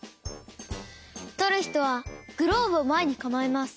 とるひとはグローブをまえにかまえます。